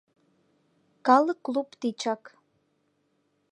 ...Калык клуб тичак: